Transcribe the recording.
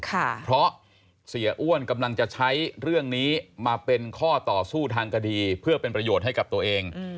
เพราะเสียอ้วนกำลังจะใช้เรื่องนี้มาเป็นข้อต่อสู้ทางคดีเพื่อเป็นประโยชน์ให้กับตัวเอง